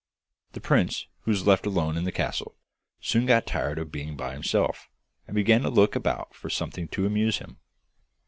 The prince, who was left alone in the castle, soon got tired of being by himself, and began to look about for something to amuse him.